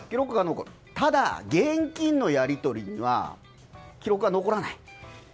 ただ、現金のやり取りは記録が残らない。